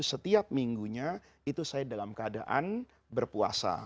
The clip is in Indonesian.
setiap minggunya itu saya dalam keadaan berpuasa